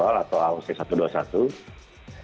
ada maskapai yang berjadwal atau aoc satu ratus dua puluh satu